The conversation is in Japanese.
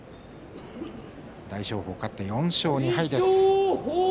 大翔鵬、勝って４勝２敗です。